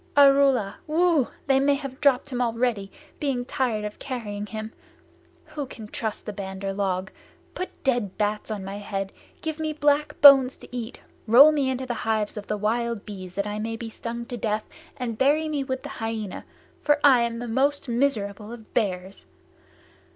"Arrula! Whoo! They may have dropped him already, being tired of carrying him. Who can trust the Bandar log? Put dead bats on my head! Give me black bones to eat! Roll me into the hives of the wild bees that I may be stung to death, and bury me with the Hyaena, for I am most miserable of bears!